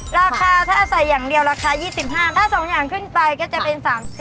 ราคาถ้าใส่อย่างเดียวราคา๒๕บาทถ้า๒อย่างขึ้นไปก็จะเป็น๓๐